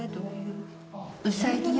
うさぎを？